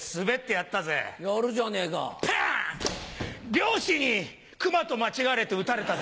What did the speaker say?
猟師に熊と間違われて撃たれたぜ。